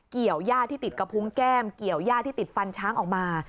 ย่าที่ติดกระพุงแก้มเกี่ยวย่าที่ติดฟันช้างออกมา